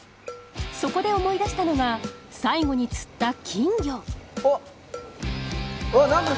そこで思い出したのが最後に釣った金魚おっ。